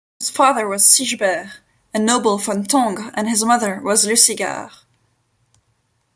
His father was Sigebert, a nobleman from Tongres and his mother was Lusigard.